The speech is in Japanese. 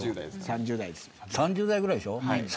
３０代ぐらいでしょ。